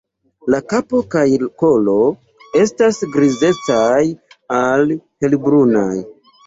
La kapo kaj kolo estas grizecaj al helbrunaj.